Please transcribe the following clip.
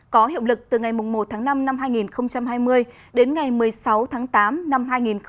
có hiệu lực từ ngày một tháng năm năm hai nghìn hai mươi đến ngày một mươi sáu tháng tám năm hai nghìn hai mươi